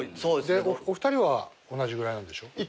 お二人は同じぐらいなんでしょ？